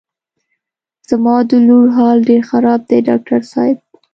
زما د لور حال ډېر خراب دی ډاکټر صاحب.